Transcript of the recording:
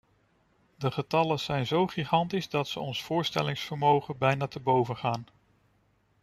De getallen zijn zo gigantisch, dat ze ons voorstellingsvermogen bijna te boven gaan.